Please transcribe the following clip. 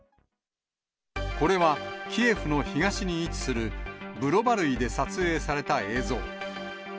これはキエフの東に位置する、ブロバルイで撮影された映像。